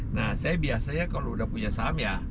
nah saya biasanya kalau udah punya saham ya